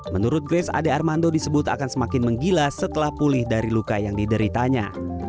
menurut grace ade armando disebut akan semakin menggilas setelah pulih dari luka yang dideritanya